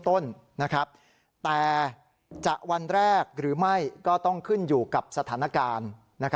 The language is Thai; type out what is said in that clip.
แต่จะวันแรกหรือไม่ก็ต้องขึ้นอยู่กับสถานการณ์